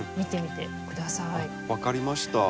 分かりました。